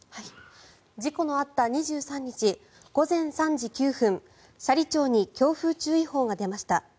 事故のあった２３日午前３時９分、斜里町に強風注意報が出ました。